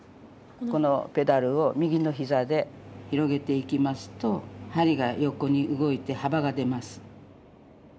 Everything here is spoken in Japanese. このペダルを右の膝で広げていきますと針が横に動いて幅が出ます。